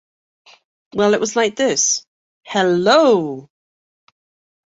Well, it was like this — hello!